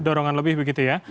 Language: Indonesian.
dorongan lebih begitu ya